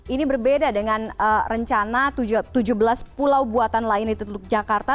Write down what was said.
ini berbeda dengan rencana tujuh belas pulau buatan lain di teluk jakarta